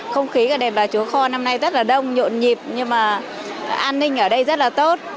không khí ở đề bà chúa kho năm nay rất là đông nhộn nhịp nhưng mà an ninh ở đây rất là tốt